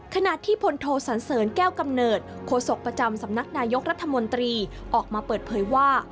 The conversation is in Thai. ขณะที่พลโทสันเสริญแก้วกำเนิดโคศกประจำสำนักนายกรัฐมนตรีออกมาเปิดเผยว่า